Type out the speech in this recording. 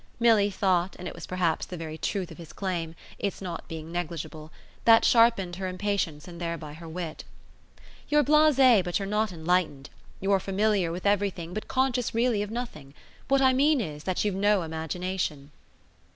Milly thought, and it was perhaps the very truth of his claim its not being negligible that sharpened her impatience and thereby her wit. "You're blase, but you're not enlightened. You're familiar with everything, but conscious really of nothing. What I mean is that you've no imagination."